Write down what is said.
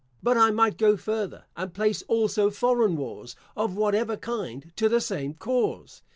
But I might go further, and place also foreign wars, of whatever kind, to the same cause.